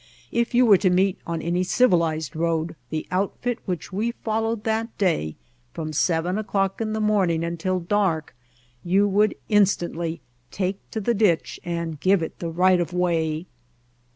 If you were to meet on any civilized road the outfit which we followed that day from seven o'clock in the morning until dark you would instantly take to the ditch and give it the right of way.